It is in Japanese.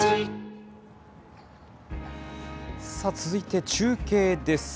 続いて中継です。